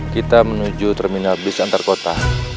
kita menuju terminal bus antar kota